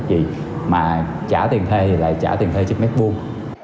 vì mà trả tiền thê thì lại trả tiền thê chút mét vuông